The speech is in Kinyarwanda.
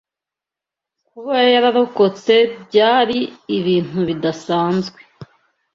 Kuba yararokotse byari ibintu bidasanzwe.